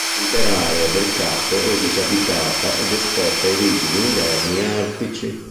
L'intera area del capo è disabitata ed esposta ai rigidi inverni artici.